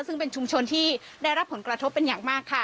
ซึ่งเป็นชุมชนที่ได้รับผลกระทบเป็นอย่างมากค่ะ